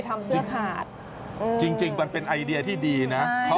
ถ้าไม่ใช่ชมพู่ทำไม่ได้นะ